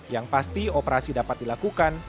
yang pasti operasi dapat dilakukan